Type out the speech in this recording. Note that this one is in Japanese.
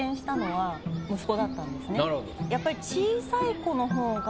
やっぱり。